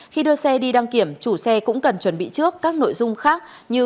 khi đưa xe đi đăng kiểm chủ xe cũng cần chuẩn bị trước các nội dung khác như